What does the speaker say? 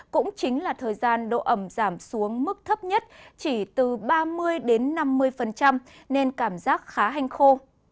cũng chính là thời gian độ ẩm giảm xuống mức thấp nhất chỉ từ ba mươi năm mươi nên cảm giác khá hanh khô